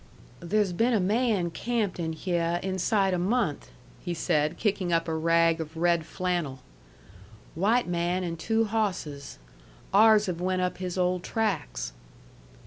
"There's been a man camped in hyeh inside a month," he said, kicking up a rag of red flannel. "White man and two hawsses. Ours have went up his old tracks."